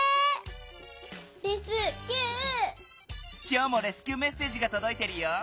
きょうもレスキューメッセージがとどいてるよ。